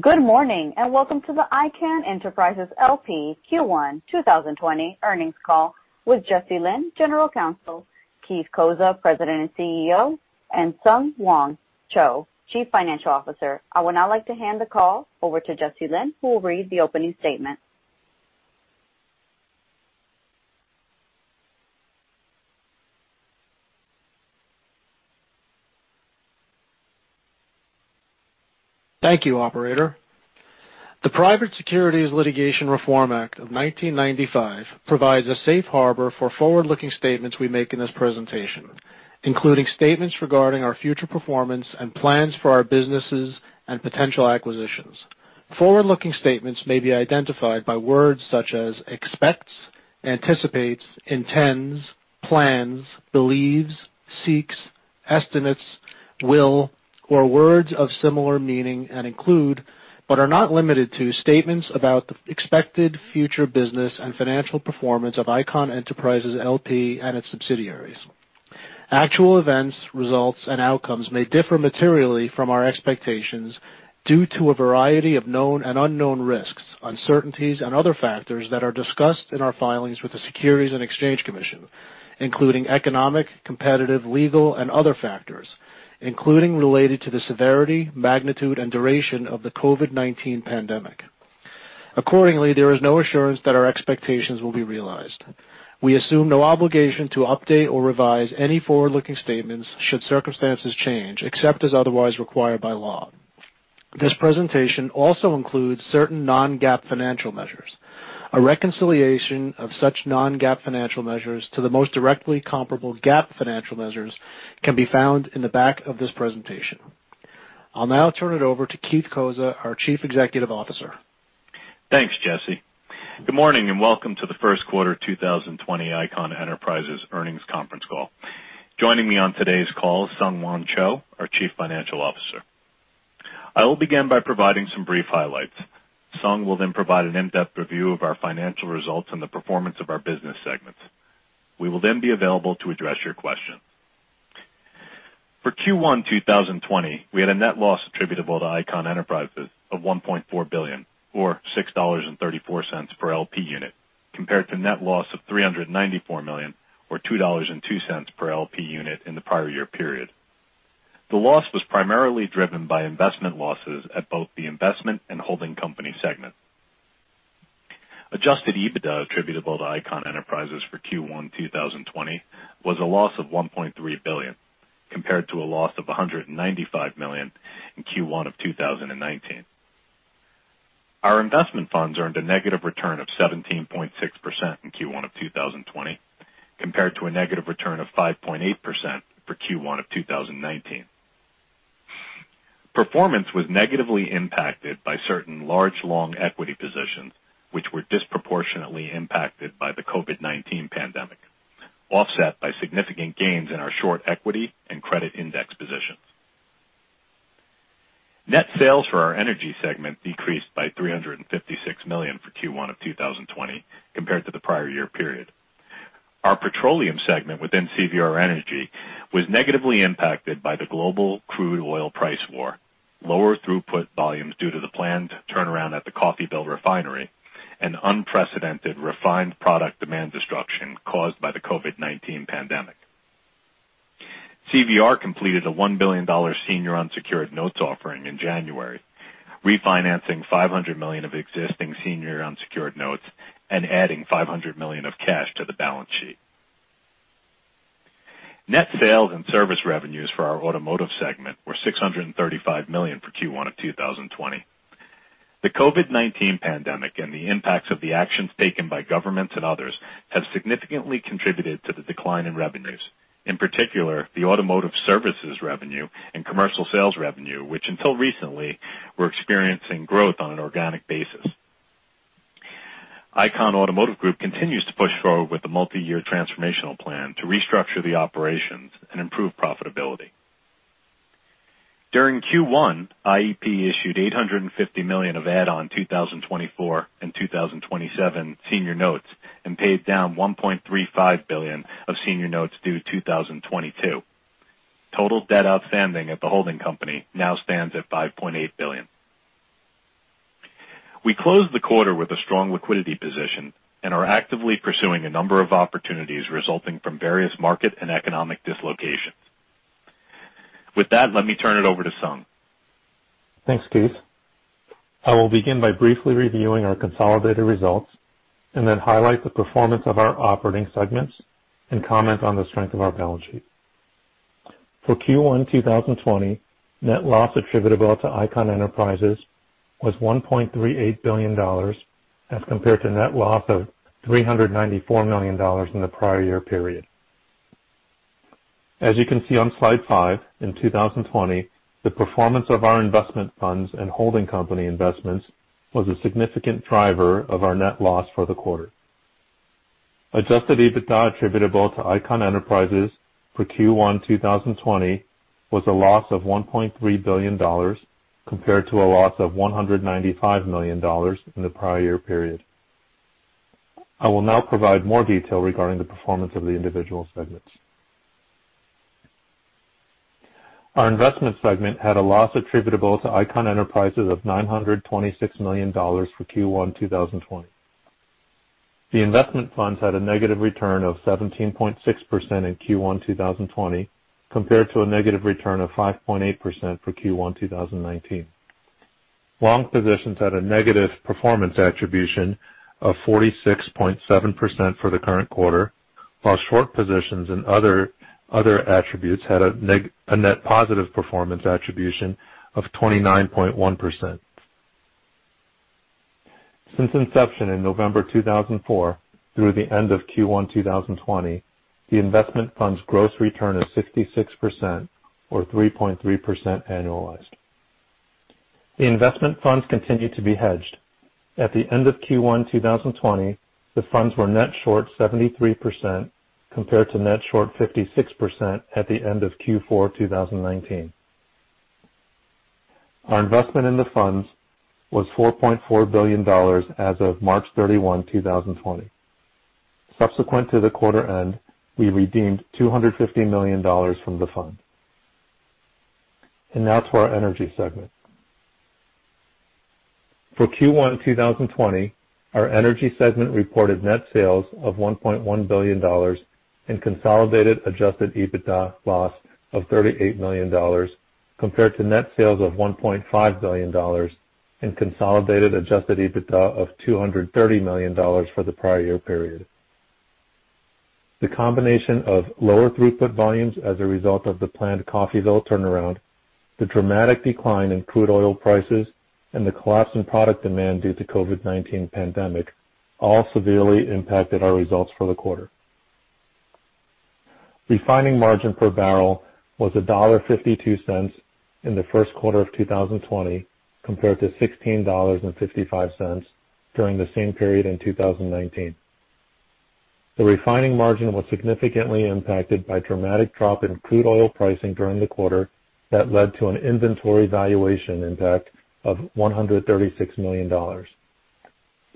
Good morning, welcome to the Icahn Enterprises L.P. Q1 2020 earnings call with Jesse Lynn, General Counsel, Keith Cozza, President and CEO, and SungHwan Cho, Chief Financial Officer. I would now like to hand the call over to Jesse Lynn, who will read the opening statement. Thank you, operator. The Private Securities Litigation Reform Act of 1995 provides a safe harbor for forward-looking statements we make in this presentation, including statements regarding our future performance and plans for our businesses and potential acquisitions. Forward-looking statements may be identified by words such as expects, anticipates, intends, plans, believes, seeks, estimates, will, or words of similar meaning, and include, but are not limited to, statements about the expected future business and financial performance of Icahn Enterprises L.P. and its subsidiaries. Actual events, results, and outcomes may differ materially from our expectations due to a variety of known and unknown risks, uncertainties, and other factors that are discussed in our filings with the Securities and Exchange Commission, including economic, competitive, legal, and other factors, including those related to the severity, magnitude, and duration of the COVID-19 pandemic. Accordingly, there is no assurance that our expectations will be realized. We assume no obligation to update or revise any forward-looking statements should circumstances change, except as otherwise required by law. This presentation also includes certain non-GAAP financial measures. A reconciliation of such non-GAAP financial measures to the most directly comparable GAAP financial measures can be found in the back of this presentation. I'll now turn it over to Keith Cozza, our Chief Executive Officer. Thanks, Jesse. Good morning, and welcome to the first quarter 2020 Icahn Enterprises earnings conference call. Joining me on today's call is SungHwan Cho, our Chief Financial Officer. I will begin by providing some brief highlights. Sung will provide an in-depth review of our financial results and the performance of our business segments. We will be available to address your questions. For Q1 2020, we had a net loss attributable to Icahn Enterprises of $1.4 billion, or $6.34 per LP unit, compared to a net loss of $394 million, or $2.02 per LP unit, in the prior year period. The loss was primarily driven by investment losses at both the investment and holding company segments. Adjusted EBITDA attributable to Icahn Enterprises for Q1 2020 was a loss of $1.3 billion, compared to a loss of $195 million in Q1 of 2019. Our investment funds earned a negative return of 17.6% in Q1 of 2020, compared to a negative return of 5.8% for Q1 of 2019. Performance was negatively impacted by certain large, long equity positions, which were disproportionately impacted by the COVID-19 pandemic, offset by significant gains in our short equity and credit index positions. Net sales for our Energy segment decreased by $356 million for Q1 of 2020 compared to the prior year period. Our Petroleum segment within CVR Energy was negatively impacted by the global crude oil price war, lower throughput volumes due to the planned turnaround at the Coffeyville refinery, and unprecedented refined product demand destruction caused by the COVID-19 pandemic. CVR completed a $1 billion senior unsecured notes offering in January, refinancing $500 million of existing senior unsecured notes and adding $500 million of cash to the balance sheet. Net sales and service revenues for our Automotive segment were $635 million for Q1 of 2020. The COVID-19 pandemic and the impacts of the actions taken by governments and others have significantly contributed to the decline in revenues. In particular, the automotive services revenue and commercial sales revenue, which until recently were experiencing growth on an organic basis. Icahn Automotive Group continues to push forward with the multi-year transformational plan to restructure the operations and improve profitability. During Q1, IEP issued $850 million of add-on 2024 and 2027 senior notes and paid down $1.35 billion of senior notes due 2022. Total debt outstanding at the holding company now stands at $5.8 billion. We closed the quarter with a strong liquidity position and are actively pursuing a number of opportunities resulting from various market and economic dislocations. With that, let me turn it over to Sung. Thanks, Keith. I will begin by briefly reviewing our consolidated results and then highlight the performance of our operating segments and comment on the strength of our balance sheet. For Q1 2020, net loss attributable to Icahn Enterprises was $1.38 billion as compared to net loss of $394 million in the prior year period. As you can see on slide five, in 2020, the performance of our investment funds and holding company investments was a significant driver of our net loss for the quarter. Adjusted EBITDA attributable to Icahn Enterprises for Q1 2020 was a loss of $1.3 billion, compared to a loss of $195 million in the prior year period. I will now provide more details regarding the performance of the individual segments. Our Investment segment had a loss attributable to Icahn Enterprises of $926 million for Q1 2020. The investment funds had a negative return of 17.6% in Q1 2020, compared to a negative return of 5.8% for Q1 2019. Long positions had a negative performance attribution of 46.7% for the current quarter, while short positions and other attributes had a net positive performance attribution of 29.1%. Since inception in November 2004 through the end of Q1 2020, the investment fund's gross return is 66%, or 3.3% annualized. The investment funds continue to be hedged. At the end of Q1 2020, the funds were net short 73%, compared to net short 56% at the end of Q4 2019. Our investment in the funds was $4.4 billion as of March 31, 2020. Subsequent to the quarter end, we redeemed $250 million from the fund. Now, to our Energy segment. For Q1 2020, our Energy segment reported net sales of $1.1 billion and consolidated adjusted EBITDA loss of $38 million, compared to net sales of $1.5 billion and consolidated adjusted EBITDA of $230 million for the prior year period. The combination of lower throughput volumes as a result of the planned Coffeyville turnaround, the dramatic decline in crude oil prices, and the collapse in product demand due to the COVID-19 pandemic all severely impacted our results for the quarter. Refining margin per barrel was $1.52 in the first quarter of 2020, compared to $16.55 during the same period in 2019. The refining margin was significantly impacted by a dramatic drop in crude oil pricing during the quarter that led to an inventory valuation impact of $136 million.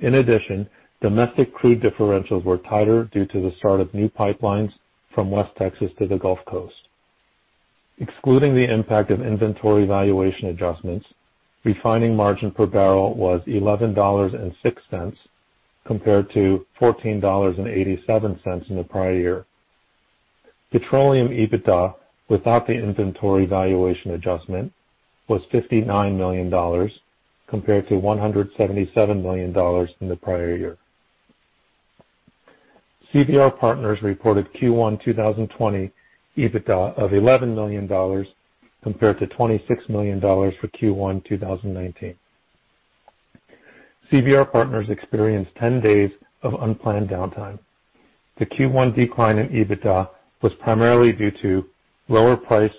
In addition, domestic crude differentials were tighter due to the start of new pipelines from West Texas to the Gulf Coast. Excluding the impact of inventory valuation adjustments, refining margin per barrel was $11.06, compared to $14.87 in the prior year. Petroleum EBITDA, without the inventory valuation adjustment, was $59 million, compared to $177 million in the prior year. CVR Partners reported Q1 2020 EBITDA of $11 million compared to $26 million for Q1 2019. CVR Partners experienced 10 days of unplanned downtime. The Q1 decline in EBITDA was primarily due to lower prices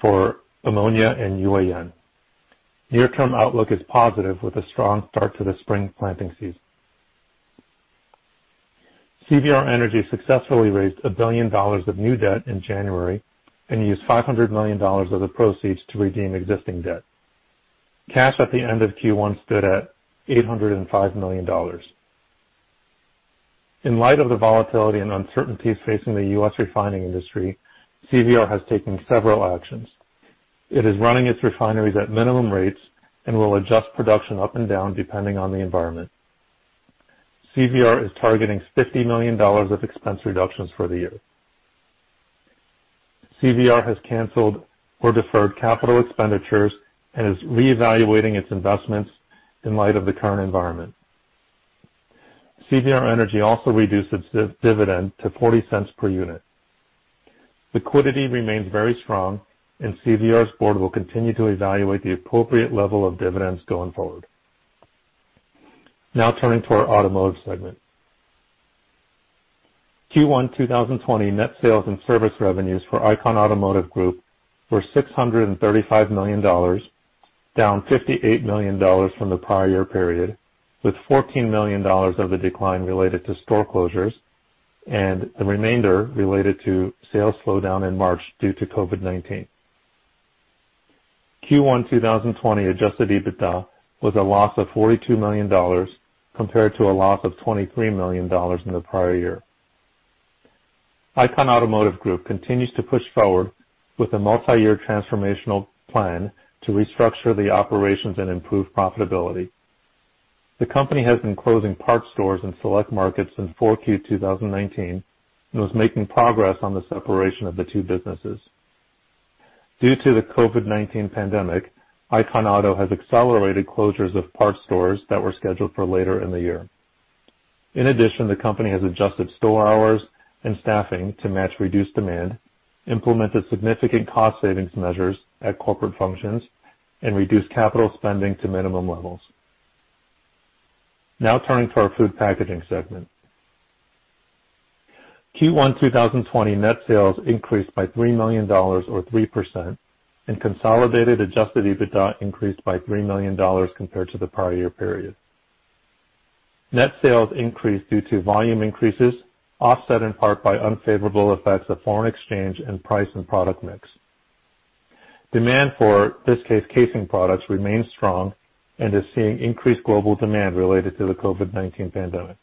for ammonia and UAN. Near-term outlook is positive with a strong start to the spring planting season. CVR Energy successfully raised $1 billion of new debt in January and used $500 million of the proceeds to redeem existing debt. Cash at the end of Q1 stood at $805 million. In light of the volatility and uncertainties facing the U.S. refining industry, CVR has taken several actions. It is running its refineries at minimum rates and will adjust production up and down depending on the environment. CVR is targeting $50 million of expense reductions for the year. CVR has canceled or deferred capital expenditures and is reevaluating its investments in light of the current environment. CVR Energy also reduced its dividend to $0.40 per unit. Liquidity remains very strong, and CVR's board will continue to evaluate the appropriate level of dividends going forward. Now turning to our Automotive segment. Q1 2020 net sales and service revenues for Icahn Automotive Group were $635 million, down $58 million from the prior year period, with $14 million of the decline related to store closures and the remainder related to the sales slowdown in March due to COVID-19. Q1 2020 adjusted EBITDA was a loss of $42 million, compared to a loss of $23 million in the prior year. Icahn Automotive Group continues to push forward with a multi-year transformational plan to restructure the operations and improve profitability. The company has been closing parts stores in select markets since 4Q 2019 and was making progress on the separation of the two businesses. Due to the COVID-19 pandemic, Icahn Auto has accelerated closures of parts stores that were scheduled for later in the year. In addition, the company has adjusted store hours and staffing to match reduced demand, implemented significant cost savings measures at corporate functions, and reduced capital spending to minimum levels. Now turning to our Food Packaging segment. Q1 2020 net sales increased by $3 million or 3%, and consolidated adjusted EBITDA increased by $3 million compared to the prior year period. Net sales increased due to volume increases, offset in part by unfavorable effects of foreign exchange and price and product mix. Demand for Viskase, casing products remains strong and is seeing increased global demand related to the COVID-19 pandemic.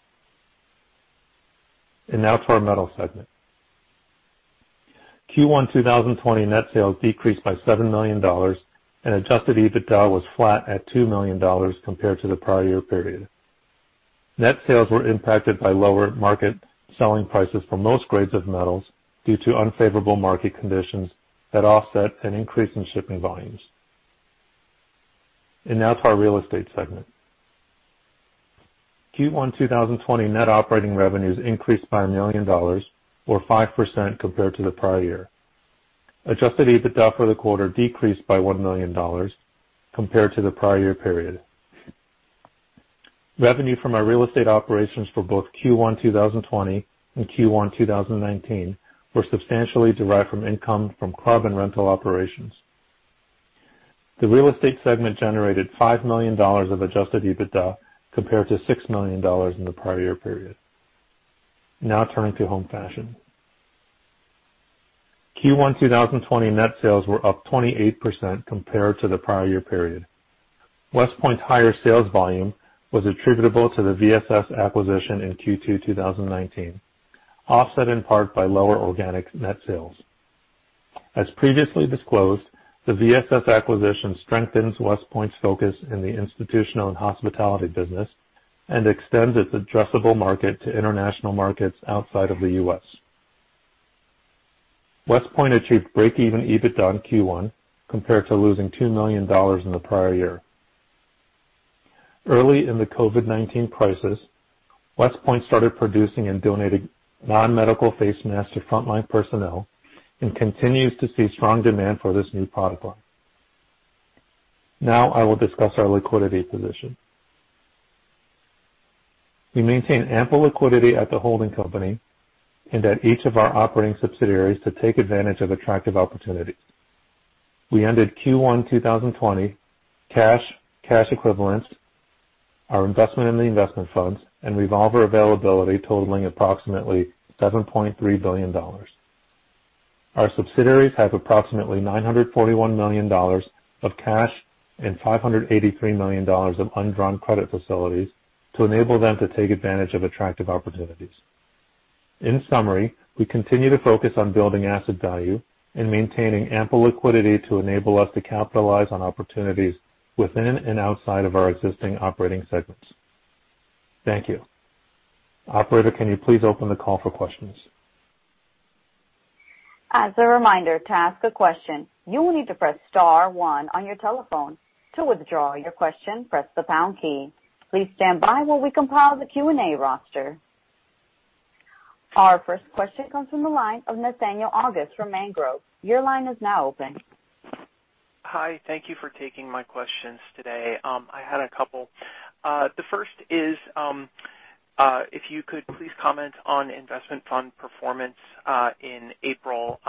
Now to our Metals segment. Q1 2020 net sales decreased by $7 million, and adjusted EBITDA was flat at $2 million compared to the prior-year period. Net sales were impacted by lower market selling prices for most grades of metals due to unfavorable market conditions that offset an increase in shipping volumes. Now to our Real Estate segment. Q1 2020 net operating revenues increased by $1 million, or 5%, compared to the prior year. Adjusted EBITDA for the quarter decreased by $1 million compared to the prior-year period. Revenue from our real estate operations for both Q1 2020 and Q1 2019 was substantially derived from income from club and rental operations. The Real Estate segment generated $5 million of adjusted EBITDA compared to $6 million in the prior year period. Now turning to Home Fashion. Q1 2020 net sales were up 28% compared to the prior year period. WestPoint's higher sales volume was attributable to the VSS acquisition in Q2 2019, offset in part by lower organic net sales. As previously disclosed, the VSS acquisition strengthens WestPoint's focus in the institutional and hospitality business and extends its addressable market to international markets outside of the U.S. WestPoint achieved break-even EBITDA in Q1, compared to losing $2 million in the prior year. Early in the COVID-19 crisis, WestPoint started producing and donating non-medical face masks to frontline personnel and continues to see strong demand for this new product line. Now I will discuss our liquidity position. We maintain ample liquidity at the holding company and at each of our operating subsidiaries to take advantage of attractive opportunities. We ended Q1 2020, cash equivalents, our investment in the investment funds, and revolver availability totaling approximately $7.3 billion. Our subsidiaries have approximately $941 million of cash and $583 million of undrawn credit facilities to enable them to take advantage of attractive opportunities. In summary, we continue to focus on building asset value and maintaining ample liquidity to enable us to capitalize on opportunities within and outside of our existing operating segments. Thank you. Operator, can you please open the call for questions? As a reminder, to ask a question, you will need to press star one on your telephone. To withdraw your question, press the pound key. Please stand by while we compile the Q&A roster. Our first question comes from the line of Nathaniel August from Mangrove. Your line is now open. Hi. Thank you for taking my questions today. I had a couple. The first is, if you could please comment on investment fund performance in April,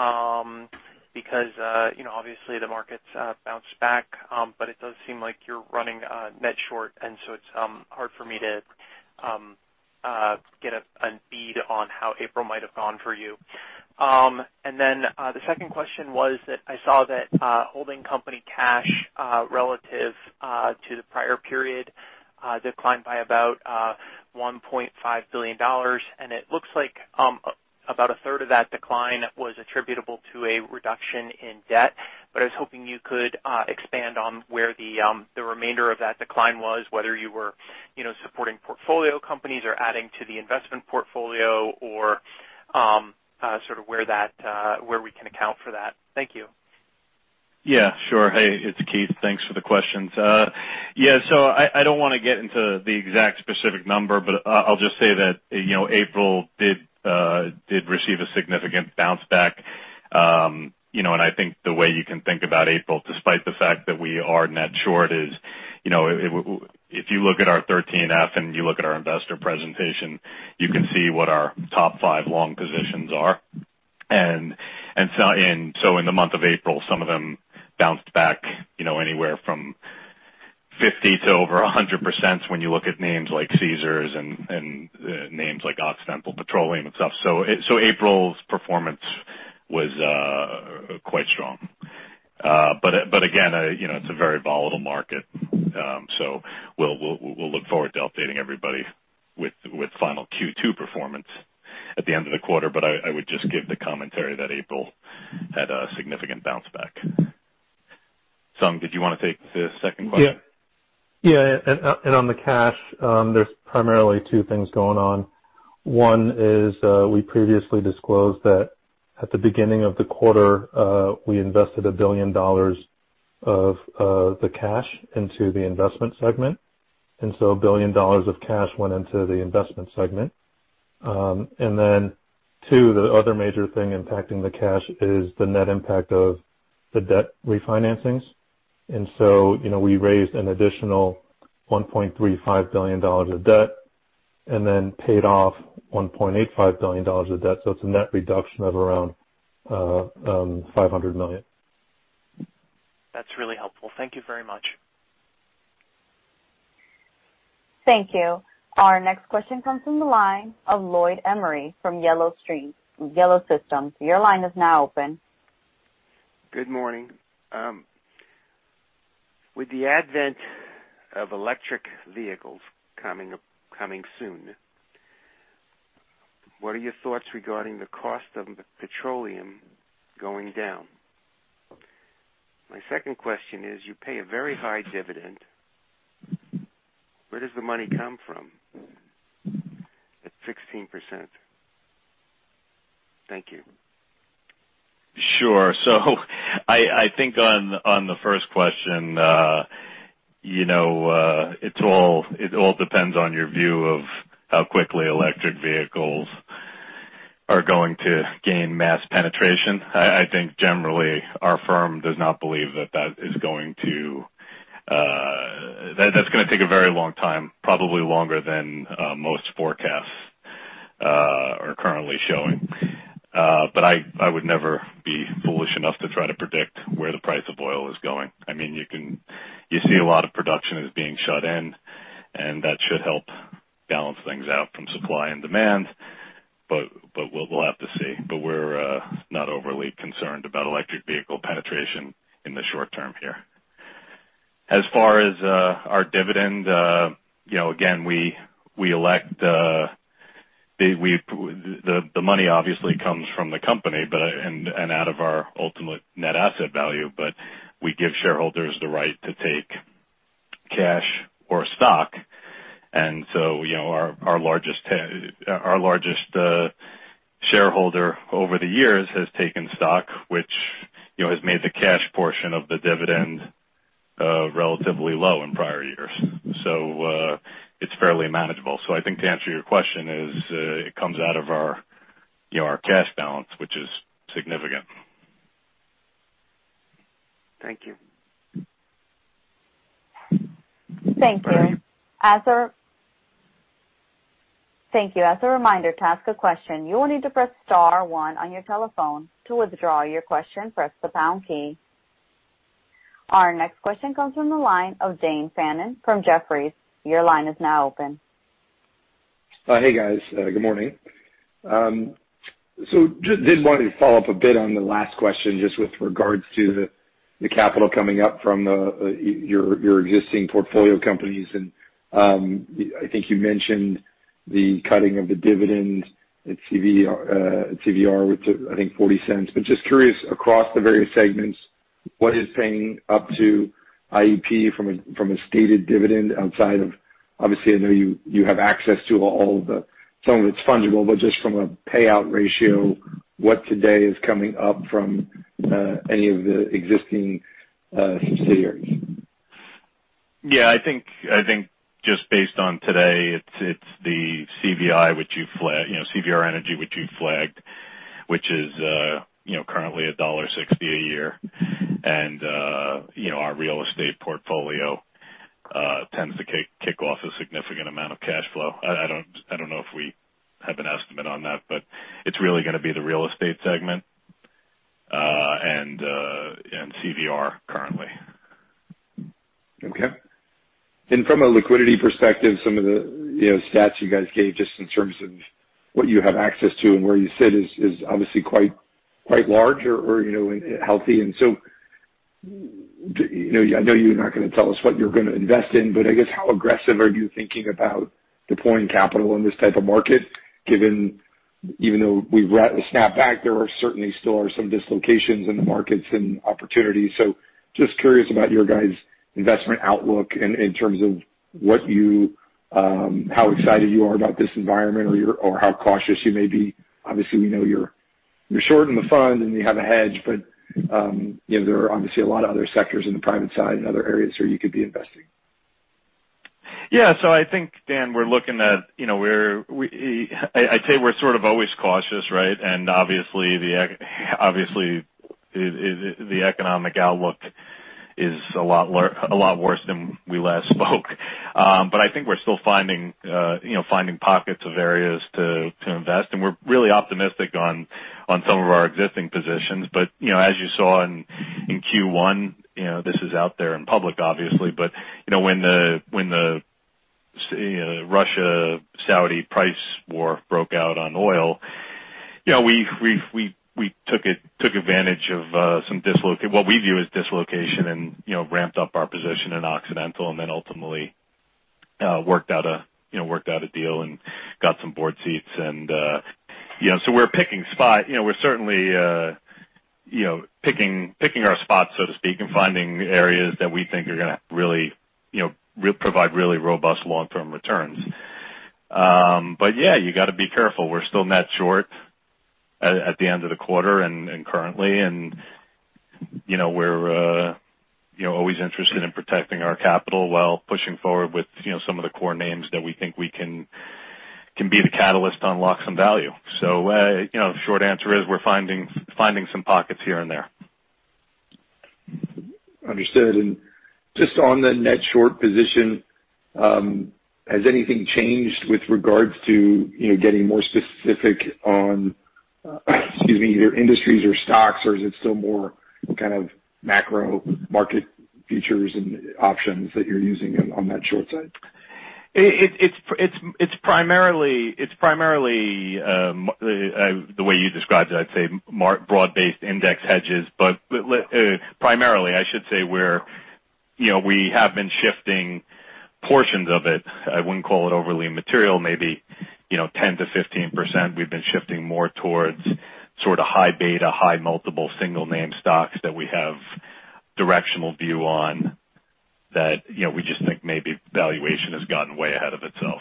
because obviously the markets bounced back, but it does seem like you're running net short, and so it's hard for me to get a bead on how April might have gone for you. The second question was that I saw that holding company cash relative to the prior period declined by about $1.5 billion, and it looks like about a third of that decline was attributable to a reduction in debt. I was hoping you could expand on where the remainder of that decline was, whether you were supporting portfolio companies or adding to the investment portfolio, or where we can account for that. Thank you. Yeah, sure. Hey, it's Keith. Thanks for the questions. I don't want to get into the exact specific number, but I'll just say that April did receive a significant bounce back. I think the way you can think about April, despite the fact that we are net short, is if you look at our 13F and you look at our investor presentation, you can see what our top five long positions are. In the month of April, some of them bounced back anywhere from 50% to over 100% when you look at names like Caesars and names like Occidental Petroleum and stuff. April's performance was quite strong. Again, it's a very volatile market. We'll look forward to updating everybody with the final Q2 performance at the end of the quarter. I would just give the commentary that April had a significant bounce back. Sung, did you want to take the second question? Yeah. On the cash, there's primarily two things going on. One is, we previously disclosed that at the beginning of the quarter, we invested $1 billion of the cash into the Investment segment, and so $1 billion of cash went into the Investment segment. Then two, the other major thing impacting the cash is the net impact of the debt refinancings. We raised an additional $1.35 billion of debt and then paid off $1.85 billion of debt. It's a net reduction of around $500 million. That's really helpful. Thank you very much. Thank you. Our next question comes from the line of [Lloyd Emery] from Yellow Systems. Your line is now open. Good morning. With the advent of electric vehicles coming soon, what are your thoughts regarding the cost of petroleum going down? My second question is, you pay a very high dividend. Where does the money come from at 16%? Thank you. Sure. I think on the first question, it all depends on your view of how quickly electric vehicles are going to gain mass penetration. I think generally, our firm does not believe that's going to take a very long time, probably longer than most forecasts are currently showing. I would never be foolish enough to try to predict where the price of oil is going. You see a lot of production is being shut in, and that should help balance things out from supply and demand, but we'll have to see. We're not overly concerned about electric vehicle penetration in the short term here. As far as our dividend, again, the money obviously comes from the company and out of our ultimate net asset value, but we give shareholders the right to take cash or stock. Our largest shareholder over the years has taken stock, which has made the cash portion of the dividend relatively low in prior years. It's fairly manageable. I think the answer to your question is, it comes out of our cash balance, which is significant. Thank you. Thank you. As a reminder, to ask a question, you will need to press star one on your telephone. To withdraw your question, press the pound key. Our next question comes from the line of Dan Fannon from Jefferies. Your line is now open. Hey, guys. Good morning. Just did want to follow up a bit on the last question, just with regards to the capital coming up from your existing portfolio companies, and I think you mentioned the cutting of the dividend at CVR, which I think is $0.40. Just curious, across the various segments, what is paying up to IEP from a stated dividend outside of, obviously, I know you have access to some of it's fungible, but just from a payout ratio, what today is coming up from any of the existing subsidiaries? Yeah, I think just based on today, it's the CVI, which you flagged, CVR Energy, which you flagged, which is currently $1.60 a year. Our real estate portfolio tends to kick off a significant amount of cash flow. I don't know if we have an estimate on that, but it's really going to be the Real Estate segment and CVR currently. Okay. From a liquidity perspective, some of the stats you guys gave, just in terms of what you have access to and where you sit is obviously quite large or healthy. I know you're not going to tell us what you're going to invest in, but I guess how aggressive you are thinking about deploying capital in this type of market, given that we've snapped back, there are certainly still are some dislocations in the markets and opportunities. Just curious about your guys' investment outlook in terms of how excited you are about this environment or how cautious you may be. Obviously, we know you're short in the fund, and you have a hedge, but there are obviously a lot of other sectors in the private side and other areas where you could be investing. Yeah. I think, Dan, I'd say we're sort of always cautious, right? Obviously, the economic outlook is a lot worse than we last spoke. I think we're still finding pockets of areas to invest, and we're really optimistic on some of our existing positions. As you saw in Q1, this is out there in public, obviously, but when the Russia-Saudi price war broke out on oil, we took advantage of what we view as dislocation and ramped up our position in Occidental, and then ultimately worked out a deal and got some board seats. We're certainly picking our spots, so to speak, and finding areas that we think are going to provide really robust long-term returns. Yeah, you've got to be careful. We're still net short at the end of the quarter and currently, and we're always interested in protecting our capital while pushing forward with some of the core names that we think we can be the catalyst to unlock some value. The short answer is we're finding some pockets here and there. Understood. Just on the net short position, has anything changed with regard to getting more specific on? Excuse me, either industries or stocks, or is it still more kind of macro market features and options that you're using on that short side? It's primarily the way you described it, I'd say, broad-based index hedges. Primarily, I should say we have been shifting portions of it. I wouldn't call it overly material, maybe 10%-15%, we've been shifting more towards sort of high beta, high multiple single-name stocks that we have a directional view on, that we just think maybe valuation has gotten way ahead of itself.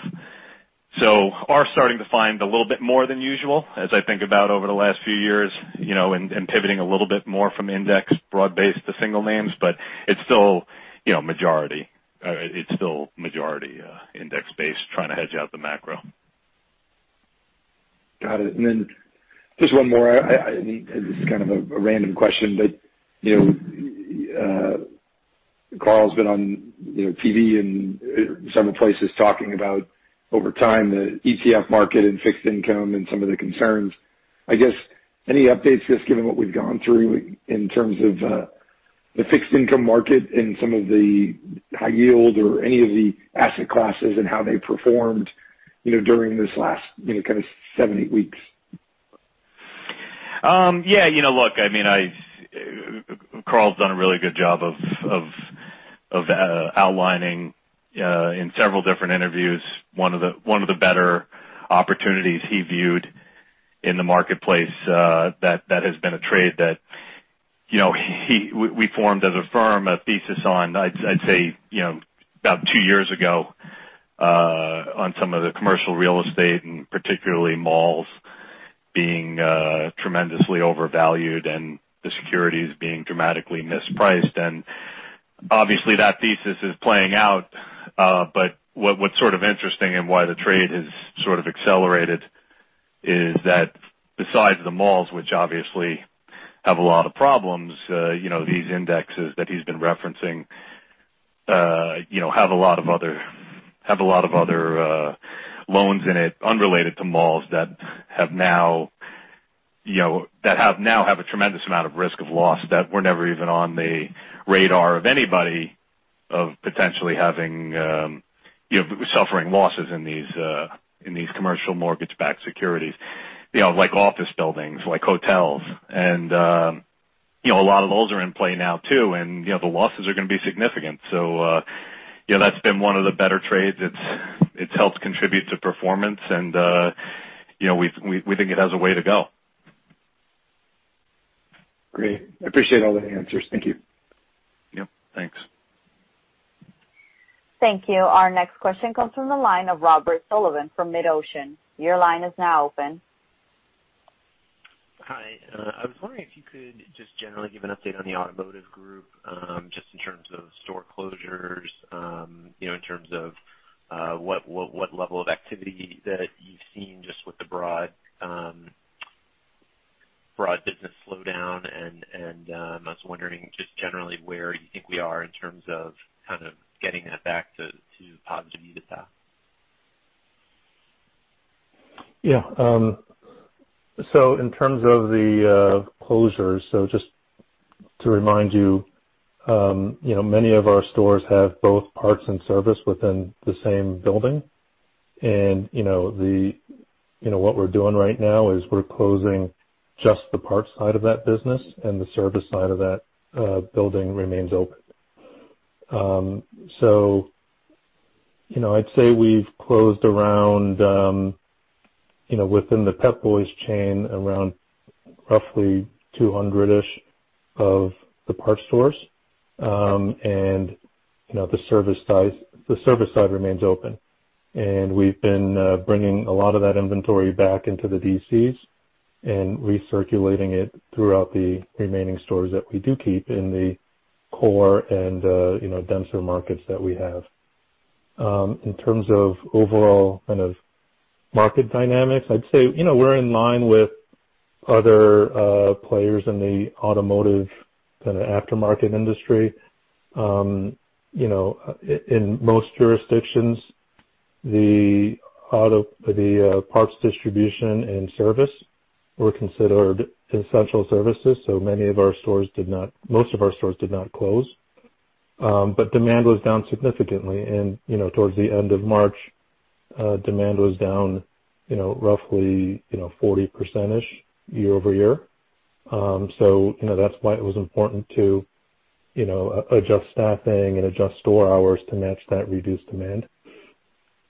Are starting to find a little bit more than usual, as I think about over the last few years, and pivoting a little bit more from index broad-based to single names, but it's still majority index-based, trying to hedge out the macro. Got it. Just one more. This is kind of a random question, Carl's been on TV and several places talking about over time, the ETF market, and fixed income, and some of the concerns. I guess, any updates just given what we've gone through in terms of the fixed income market and some of the high yield or any of the asset classes and how they performed during these last seven, eight weeks? Yeah. Look, I mean, Carl's done a really good job of outlining in several different interviews one of the better opportunities he viewed in the marketplace that has been a trade that we formed as a firm, a thesis on, I'd say, about two years ago, on some of the commercial real estate and particularly malls being tremendously overvalued and the securities being dramatically mispriced. Obviously, that thesis is playing out. What's sort of interesting and why the trade has sort of accelerated is that besides the malls, which obviously have a lot of problems, these indexes that he's been referencing have a lot of other loans in it unrelated to malls that now have a tremendous amount of risk of loss that were never even on the radar of anybody of potentially suffering losses in these commercial mortgage-backed securities. Like office buildings, like hotels. A lot of those are in play now, too, and the losses are going to be significant. That's been one of the better trades. It's helped contribute to performance, and we think it has a way to go. Great. I appreciate all the answers. Thank you. Yep. Thanks. Thank you. Our next question comes from the line of Robert Sullivan from MidOcean. Your line is now open. Hi. I was wondering if you could just generally give an update on the Automotive Group, just in terms of store closures, in terms of what level of activity that you've seen just with the broad business slowdown, and I was wondering just generally where you think we are in terms of kind of getting that back to positive EBITDA. Yeah. In terms of the closures, so just to remind you, many of our stores have both parts and service within the same building. What we're doing right now is we're closing just the parts side of that business, and the service side of that building remains open. I'd say we've closed within the Pep Boys chain, around roughly 200-ish of the parts stores. The service side remains open. We've been bringing a lot of that inventory back into the DCs and recirculating it throughout the remaining stores that we do keep in the core and denser markets that we have. In terms of overall kind of market dynamics, I'd say we're in line with other players in the automotive kind of aftermarket industry. In most jurisdictions, the parts distribution and service were considered essential services, so most of our stores did not close. Demand was down significantly, and towards the end of March, demand was down roughly 40%-ish, year-over-year. That's why it was important to adjust staffing and adjust store hours to match that reduced demand.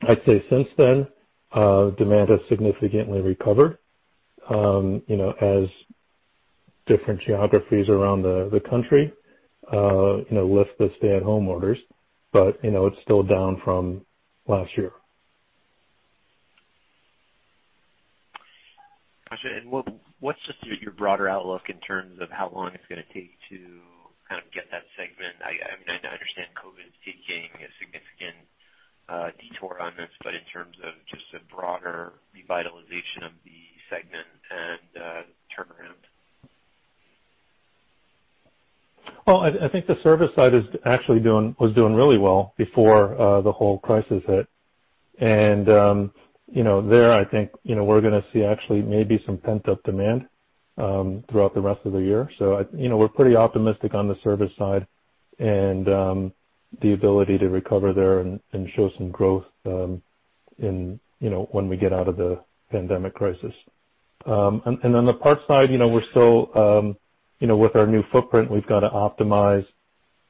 I'd say since then, demand has significantly recovered as different geographies around the country lift the stay-at-home orders. It's still down from last year. Got you. What's just your broader outlook in terms of how long it's going to take to kind of get that segment, I mean, I understand COVID is taking a significant detour on this, but in terms of just the broader revitalization of the segment and the turnaround. Well, I think the service side was actually doing really well before the whole crisis hit. There, I think we're going to see, actually, maybe some pent-up demand throughout the rest of the year. We're pretty optimistic on the service side and the ability to recover there and show some growth when we get out of the pandemic crisis. On the parts side, with our new footprint, we've got to optimize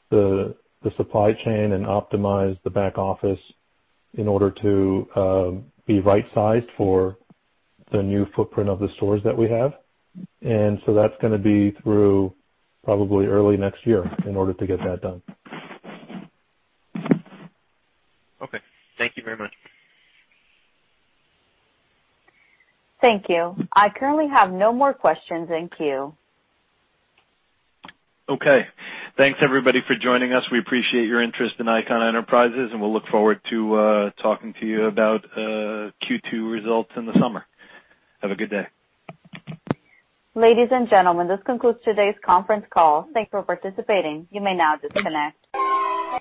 the supply chain and optimize the back office in order to be right-sized for the new footprint of the stores that we have. That's going to be through probably early next year in order to get that done. Okay. Thank you very much. Thank you. I currently have no more questions in the queue. Okay. Thanks, everybody, for joining us. We appreciate your interest in Icahn Enterprises. We'll look forward to talking to you about Q2 results in the summer. Have a good day. Ladies and gentlemen, this concludes today's conference call. Thanks for participating. You may now disconnect.